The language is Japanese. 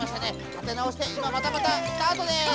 たてなおしていままたまたスタートです。